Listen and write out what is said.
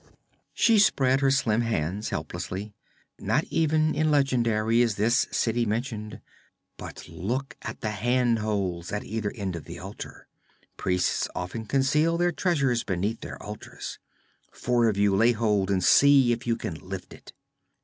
She spread her slim hands helplessly. 'Not even in legendary is this city mentioned. But look at the handholes at either end of the altar! Priests often conceal their treasures beneath their altars. Four of you lay hold and see if you can lift it.'